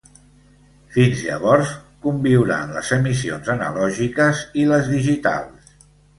Fins llavors, conviuran les emissions analògiques i les digitals.